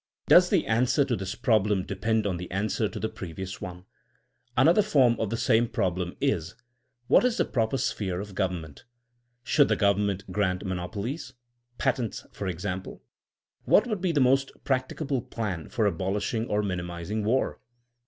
Does the answer to this problem depend on the answer to the previous onet Another form of the same problem is: What is the proper sphere of government? Should the government grant monopolies? Patents, for example? What would be the most practicable plan for abolishing or minimizing war?